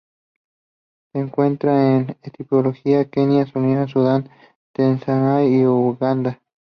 Se encuentra en Etiopía, Kenia, Somalia, Sudán, Tanzania y Uganda.